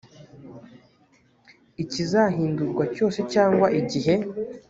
ikizahindurwa cyose cyangwa igihe